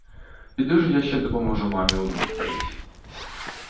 Піду ж я, ще поможу мамі обід варить.